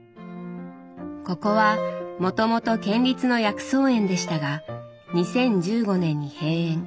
ここはもともと県立の薬草園でしたが２０１５年に閉園。